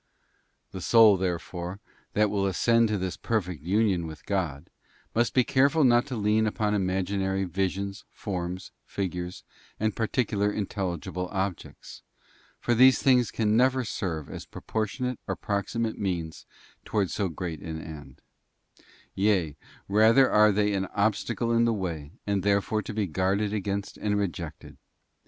The soul, therefore, that will ascend to this perfect union with God, must be careful not to lean upon imaginary visions, forms, figures, and particular intelligible objects, for these things can never serve as proportionate or proxi mate means towards so great an end: yea, rather they are an obstacle in the way, and thereforé to be guarded against and rejected.